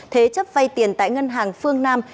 thế chấp vay tiền tại ngân hàng phương nam